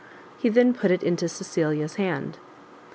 He then put it into Cecilia's hand.